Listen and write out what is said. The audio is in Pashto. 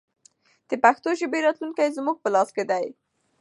د پښتو ژبې راتلونکی زموږ په لاس کې دی.